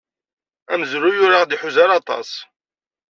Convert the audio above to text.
Amezruy ur aɣ-d-iḥuza ara aṭas.